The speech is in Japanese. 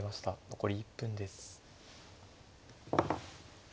残り１分です。